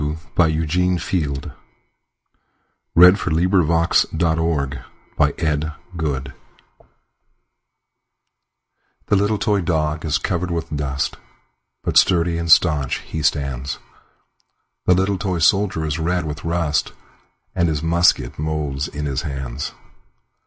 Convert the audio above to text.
1919. Eugene Field1850–1895 Little Boy Blue THE LITTLE toy dog is covered with dust, But sturdy and staunch he stands; The little toy soldier is red with rust, And his musket moulds in his hands.